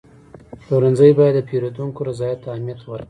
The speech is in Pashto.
پلورنځی باید د پیرودونکو رضایت ته اهمیت ورکړي.